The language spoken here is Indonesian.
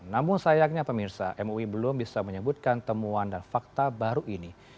namun sayangnya pemirsa mui belum bisa menyebutkan temuan dan fakta baru ini